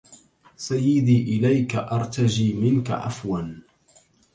سيدي إليك أرتجي منك عفوا